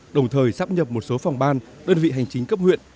đồng thời sắp nhập một số phòng ban đơn vị hành chính cấp huyện